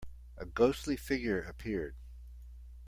A ghostly figure appeared.